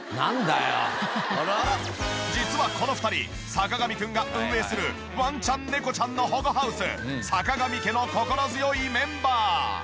実はこの２人坂上くんが運営するワンちゃん猫ちゃんの保護ハウスさかがみ家の心強いメンバー。